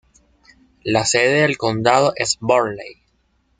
La sede del condado es Burley.